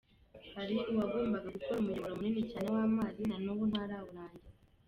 Hari uwagombaga gukora umuyoboro munini cyane w’amazi, na nubu ntarawurangiza.